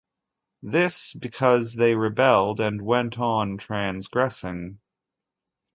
This because they rebelled and went on transgressing.